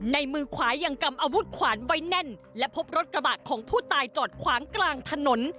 มือขวายังกำอาวุธขวานไว้แน่นและพบรถกระบะของผู้ตายจอดขวางกลางถนน